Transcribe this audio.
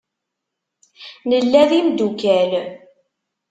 Nella d imdukal.